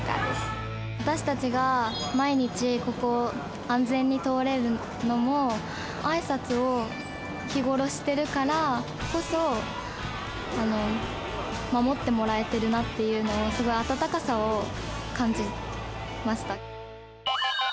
私たちが毎日ここを安全に通れるのも挨拶を日頃してるからこそ守ってもらえてるなっていうのをすごい温かさを感じました。